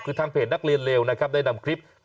คือทางเพจนักเรียนเลวนะครับได้นำคลิป